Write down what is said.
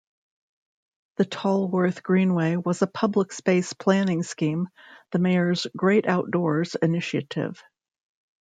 The Tolworth Greenway was a public space planning scheme, the Mayor's "Great Outdoors" initiative.